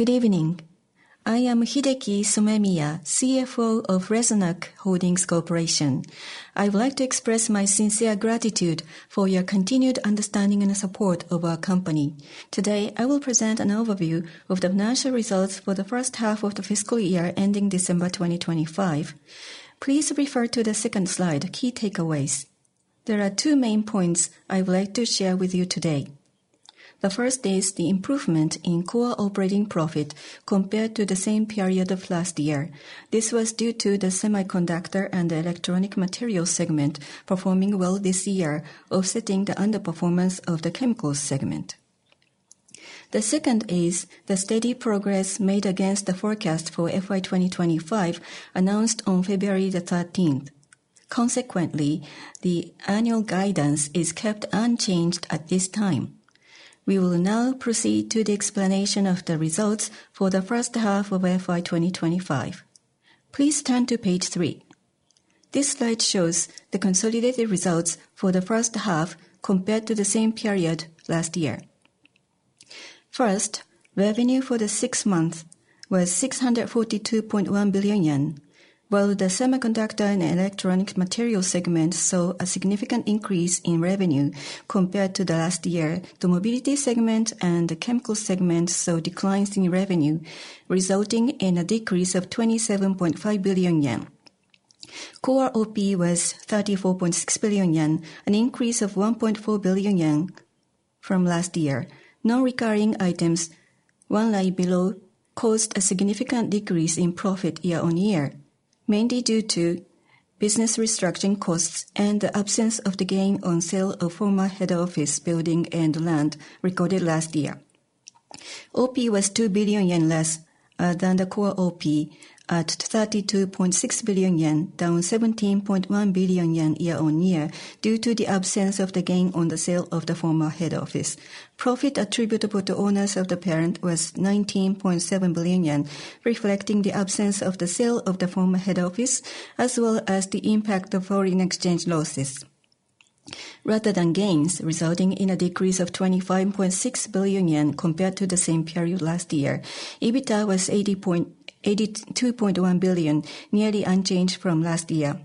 Good evening. I am Hideki Somemiya, CFO of Resonac Holdings Corporation. I would like to express my sincere gratitude for your continued understanding and support of our company. Today, I will present an overview of the financial results for the first half of the fiscal year ending December 2025. Please refer to the second slide, "Key Takeaways." There are two main points I would like to share with you today. The first is the improvement in core operating profit compared to the same period of last year. This was due to the semiconductor and the electronic materials segment performing well this year, offsetting the underperformance of the chemicals segment. The second is the steady progress made against the forecast for FY 2025, announced on February 13th. Consequently, the annual guidance is kept unchanged at this time. We will now proceed to the explanation of the results for the first half of FY 2025. Please turn to page three. This slide shows the consolidated results for the first half compared to the same period last year. First, revenue for the six months was 642.1 billion yen, while the semiconductor and electronic materials segment saw a significant increase in revenue compared to last year. The mobility segment and the chemicals segment saw declines in revenue, resulting in a decrease of 27.5 billion yen. Core OP was 34.6 billion yen, an increase of 1.4 billion yen from last year. Non-recurring items, one line below, caused a significant decrease in profit year-on-year, mainly due to business restructuring costs and the absence of the gain on sale of former head office building and land recorded last year. OP was 2 billion yen less than the core OP at 32.6 billion yen, down 17.1 billion yen year-on-year due to the absence of the gain on the sale of the former head office. Profit attributable to owners of the parent was 19.7 billion yen, reflecting the absence of the sale of the former head office as well as the impact of foreign exchange losses rather than gains, resulting in a decrease of 25.6 billion yen compared to the same period last year. EBITDA was 82.1 billion, nearly unchanged from last year.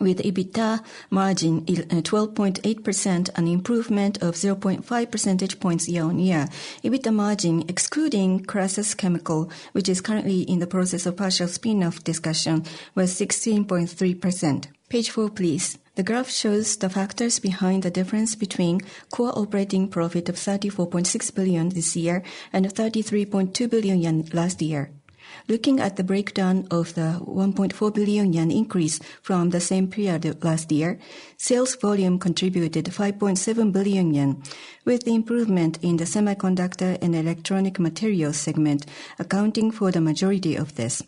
With EBITDA margin at 12.8%, an improvement of 0.5% year-on-year, EBITDA margin, excluding Crassus Chemical, which is currently in the process of partial spinoff discussion, was 16.3%. Page four, please. The graph shows the factors behind the difference between core operating profit of 34.6 billion this year and 33.2 billion yen last year. Looking at the breakdown of the 1.4 billion yen increase from the same period of last year, sales volume contributed 5.7 billion yen, with the improvement in the semiconductor and electronic materials segment accounting for the majority of this.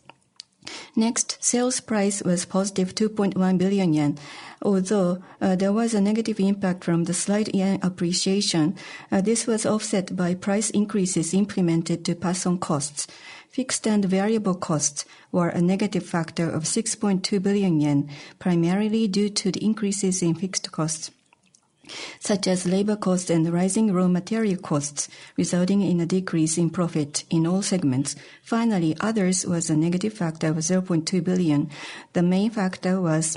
Next, sales price was positive 2.1 billion yen. Although there was a negative impact from the slight yen appreciation, this was offset by price increases implemented to pass on costs. Fixed and variable costs were a negative factor of 6.2 billion yen, primarily due to the increases in fixed costs, such as labor costs and rising raw material costs, resulting in a decrease in profit in all segments. Finally, others were a negative factor of 0.2 billion. The main factor was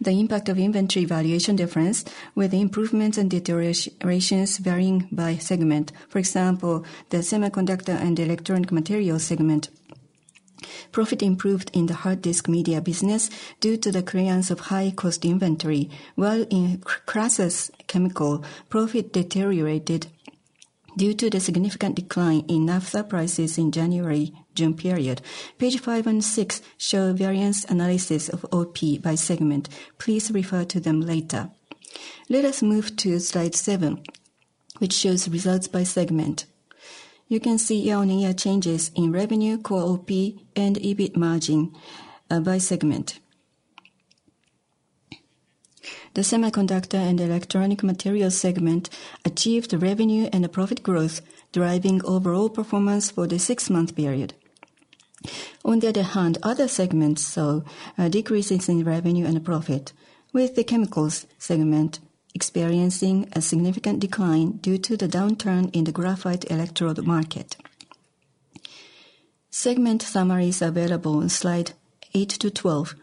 the impact of inventory valuation difference, with improvements and deteriorations varying by segment. For example, the semiconductor and electronic materials segment. Profit improved in the hard disk media business due to the clearance of high-cost inventory, while in Crassus Chemical, profit deteriorated due to the significant decline in naphtha prices in the January-June period. Page five and six show variance analysis of OP by segment. Please refer to them later. Let us move to slide seven, which shows results by segment. You can see year-on-year changes in revenue, core OP, and EBITDA margin by segment. The semiconductor and electronic materials segment achieved revenue and profit growth, driving overall performance for the six-month period. On the other hand, other segments saw decreases in revenue and profit, with the chemicals segment experiencing a significant decline due to the downturn in the graphite electrode market. Segment summaries are available on slides 8-12.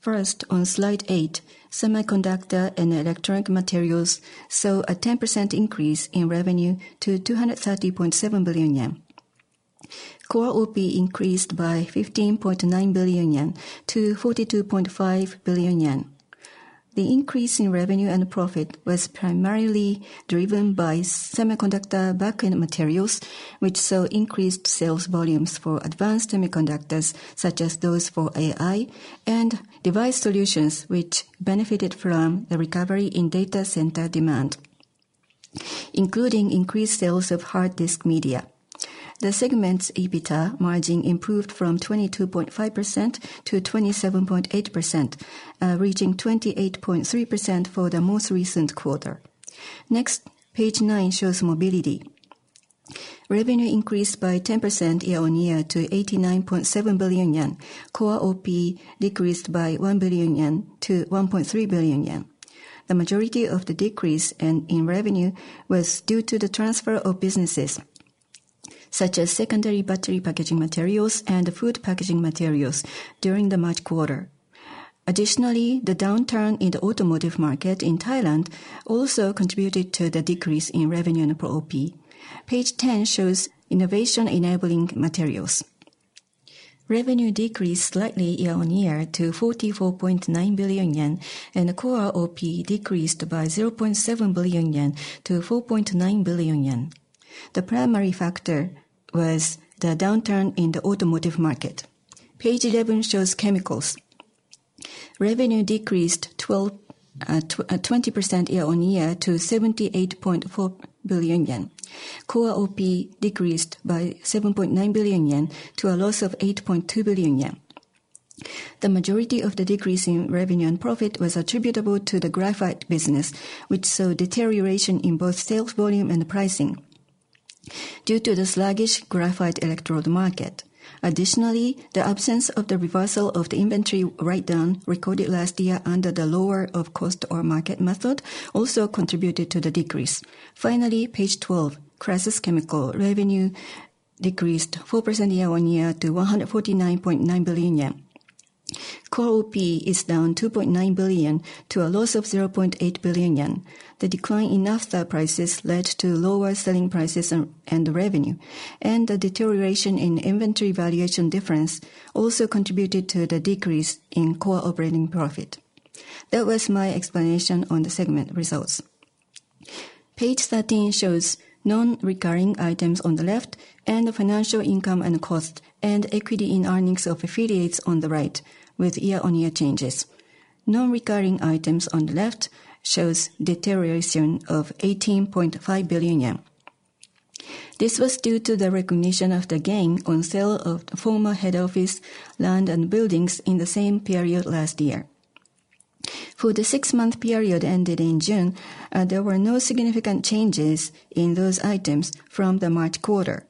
First, on slide eight, semiconductor and electronic materials saw a 10% increase in revenue to 230.7 billion yen. Core OP increased by 15.9 billion-42.5 billion yen. The increase in revenue and profit was primarily driven by semiconductor back-end materials, which saw increased sales volumes for advanced semiconductors, such as those for AI applications, and device solutions, which benefited from the recovery in data center demand, including increased sales of hard disk media. The segment's EBITDA margin improved from 22.5%-27.8%, reaching 28.3% for the most recent quarter. Next, page nine shows mobility. Revenue increased by 10% year-on-year to 89.7 billion yen. Core operating profit decreased by 1 billion-1.3 billion yen. The majority of the decrease in revenue was due to the transfer of businesses, such as secondary battery packaging materials and food packaging materials, during the March quarter. Additionally, the downturn in the automotive market in Thailand also contributed to the decrease in revenue and operating profit. Page 10 shows innovation-enabling materials. Revenue decreased slightly year-on-year to 44.9 billion yen, and core operating profit decreased by 0.7 billion-4.9 billion yen. The primary factor was the downturn in the automotive market. Page 11 shows chemicals. Revenue decreased 20% year-on-year to 78.4 billion yen. Core operating profit decreased by 7.9 billion yen to a loss of 8.2 billion yen. The majority of the decrease in revenue and profit was attributable to the graphite business, which saw deterioration in both sales volume and pricing due to the sluggish graphite electrode market. Additionally, the absence of the reversal of the inventory write-down recorded last year under the lower-of-cost or market method also contributed to the decrease. Finally, page 12, Crassus Chemical. Revenue decreased 4% year-on-year to 149.9 billion yen. Core operating profit is down 2.9 billion to a loss of 0.8 billion yen. The decline in naphtha prices led to lower selling prices and revenue, and the deterioration in inventory valuation difference also contributed to the decrease in core operating profit. That was my explanation on the segment results. Page 13 shows non-recurring items on the left and the financial income and cost and equity in earnings of affiliates on the right, with year-on-year changes. Non-recurring items on the left show deterioration of 18.5 billion yen. This was due to the recognition of the gain on sale of former head office land and buildings in the same period last year. For the six-month period ended in June, there were no significant changes in those items from the March quarter.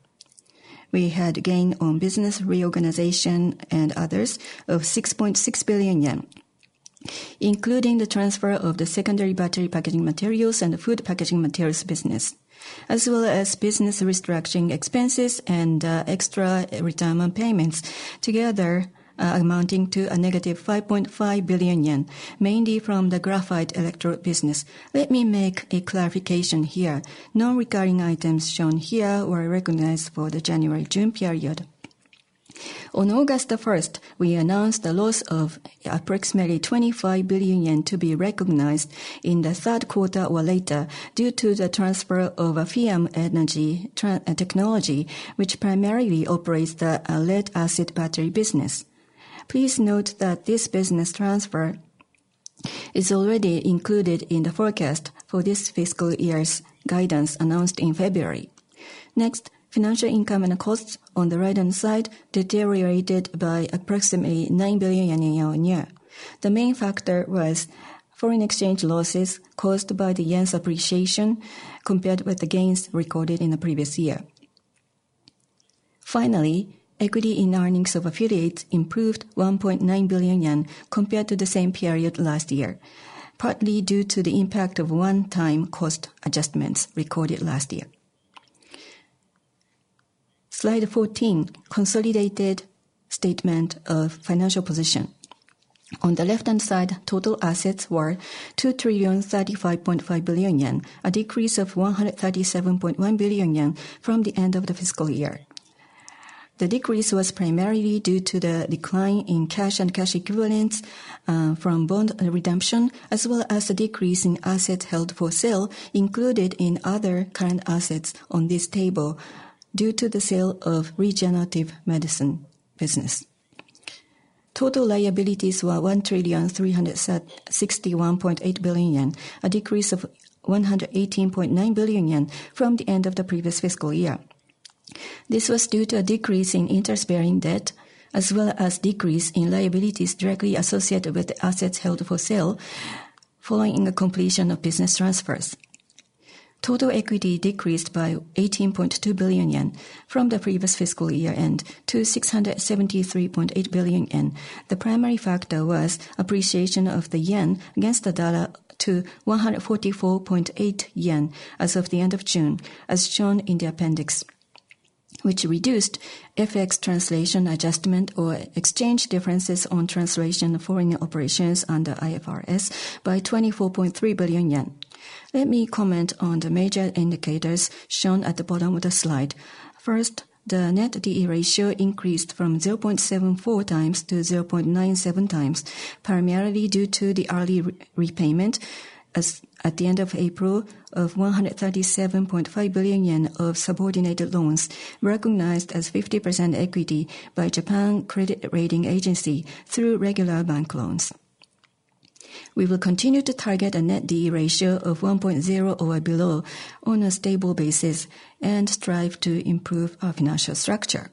We had gain on business reorganization and others of 6.6 billion yen, including the transfer of the secondary battery packaging materials and the food packaging materials business, as well as business restructuring expenses and extra retirement payments, together amounting to a negative 5.5 billion yen, mainly from the graphite electrode business. Let me make a clarification here. Non-recurring items shown here were recognized for the January-June period. On August 1st, we announced the loss of approximately 25 billion yen to be recognized in the third quarter or later due to the transfer of FEM Energy Technology, which primarily operates the lead-acid battery business. Please note that this business transfer is already included in the forecast for this fiscal year's guidance announced in February. Next, financial income and costs on the right-hand side deteriorated by approximately 9 billion yen year-on-year. The main factor was foreign exchange losses caused by the yen's appreciation compared with the gains recorded in the previous year. Finally, equity in earnings of affiliates improved 1.9 billion yen compared to the same period last year, partly due to the impact of one-time cost adjustments recorded last year. Slide 14, consolidated statement of financial position. On the left-hand side, total assets were 2,035.5 billion yen, a decrease of 137.1 billion yen from the end of the fiscal year. The decrease was primarily due to the decline in cash and cash equivalents from bond redemption, as well as the decrease in assets held for sale, included in other current assets on this table due to the sale of regenerative medicine business. Total liabilities were 1,361.8 billion yen, a decrease of 118.9 billion yen from the end of the previous fiscal year. This was due to a decrease in interest-bearing debt, as well as a decrease in liabilities directly associated with the assets held for sale following the completion of business transfers. Total equity decreased by 18.2 billion yen from the previous fiscal year end to 673.8 billion yen. The primary factor was appreciation of the yen against the dollar to 144.8 yen as of the end of June, as shown in the appendix, which reduced FX translation adjustment or exchange differences on translation foreign operations under IFRS by 24.3 billion yen. Let me comment on the major indicators shown at the bottom of the slide. First, the net debt-to-equity ratio increased from 0.74x to 0.97x, primarily due to the early repayment at the end of April of 137.5 billion yen of subordinated loans recognized as 50% equity by Japan Credit Rating Agency through regular bank loans. We will continue to target a net debt-to-equity ratio of 1.0 or below on a stable basis and strive to improve our financial structure.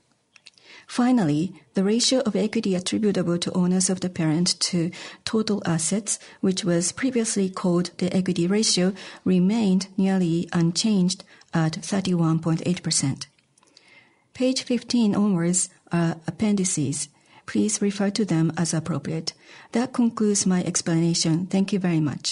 Finally, the ratio of equity attributable to owners of the parent to total assets, which was previously called the equity ratio, remained nearly unchanged at 31.8%. Page 15 onwards are appendices. Please refer to them as appropriate. That concludes my explanation. Thank you very much.